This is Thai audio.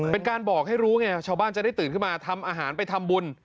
เป็นการบอกให้รู้ไงชาวบ้านจะได้ตื่นขึ้นมาทำอาหารไปทำบุญ